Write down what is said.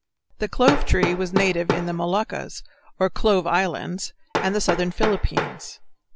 The clove tree was native in the Moluccas, or Clove Islands, and the southern Philippines.